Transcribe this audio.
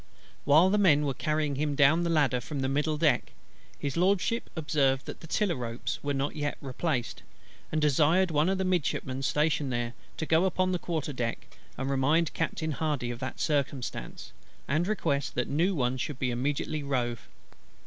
While the men were carrying him down the ladder from the middle deck, His LORDSHIP observed that the tiller ropes were not yet replaced; and desired one of the Midshipmen stationed there to go upon the quarter deck and remind Captain HARDY of that circumstance, and request that new ones should be immediately rove.